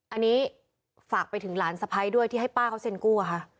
อันนี้ฝากไปถึงหลานสะพ้ายด้วยที่ให้ป้าเขาเซ็นกู้อะค่ะ